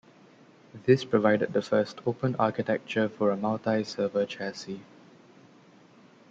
This provided the first open architecture for a multi-server chassis.